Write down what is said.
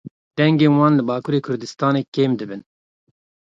Dengên wan li Bakurê Kurdistanê kêm dibin.